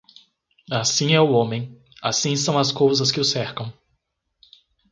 Assim é o homem, assim são as cousas que o cercam.